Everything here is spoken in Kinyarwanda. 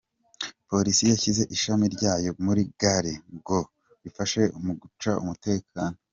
Polisi yashyize ishami ryayo muri gare ngo rifashe mu gucunga umutekano.